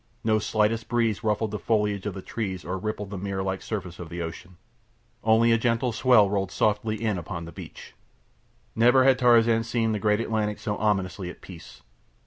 No slightest breeze ruffled the foliage of the trees or rippled the mirror like surface of the ocean. Only a gentle swell rolled softly in upon the beach. Never had Tarzan seen the great Atlantic so ominously at peace.